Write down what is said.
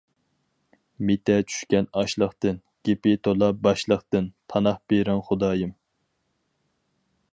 مىتە چۈشكەن ئاشلىقتىن، گېپى تولا باشلىقتىن پاناھ بېرىڭ خۇدايىم.